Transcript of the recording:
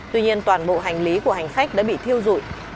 tuy nhiên toàn bộ hành lý của hành khách đã bị thiêu dụi